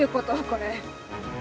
これ。